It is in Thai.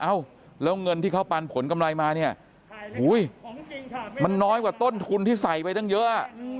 เอ้าแล้วเงินที่เขาปันผลกำไรมาเนี่ยมันน้อยกว่าต้นทุนที่ใส่ไปตั้งเยอะ